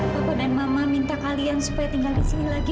bapak dan mama minta kalian supaya tinggal di sini lagi